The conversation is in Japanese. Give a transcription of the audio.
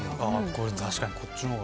これ、確かにこっちのほうが。